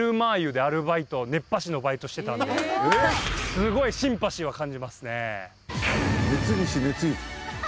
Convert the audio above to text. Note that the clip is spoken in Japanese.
すごいシンパシーは感じますね